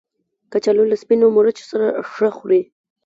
کچالو له سپینو مرچو سره ښه خوري